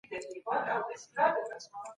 د لویې جرګي غړي څنګه د اساسي قانون تشریح کوي؟